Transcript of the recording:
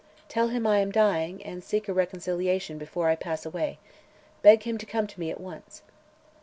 "Tell him I am dying and seek a reconciliation before I pass away. Beg him to come to me at once."